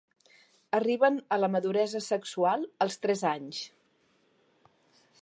Arriben a la maduresa sexual als tres anys.